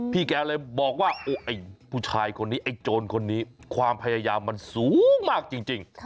แกเลยบอกว่าไอ้ผู้ชายคนนี้ไอ้โจรคนนี้ความพยายามมันสูงมากจริง